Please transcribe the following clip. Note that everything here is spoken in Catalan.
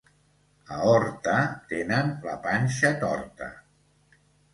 A Horta tenen la panxa torta.